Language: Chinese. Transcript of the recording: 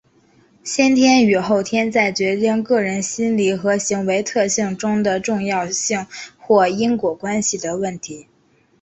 先天与后天在决定个人心理和行为特性中的重要性或因果关系的问题。